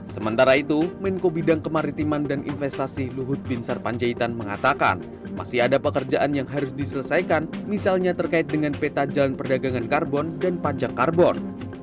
sementara itu menko bidang kemaritiman dan investasi luhut bin sarpanjaitan mengatakan masih ada pekerjaan yang harus diselesaikan misalnya terkait dengan peta jalan perdagangan karbon dan pajak karbon